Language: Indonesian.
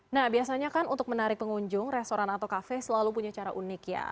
nah biasanya kan untuk menarik pengunjung restoran atau kafe selalu punya cara unik ya